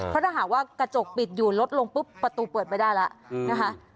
เพราะถ้าหากว่ากระจกปิดอยู่ลดลงปุ๊บประตูเปิดไม่ได้แล้วนะคะ